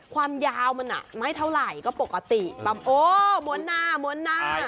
ความยาวมันไม่เท่าไหร่ก็ปกติแบบโอ้ม้วนหน้าม้วนหน้า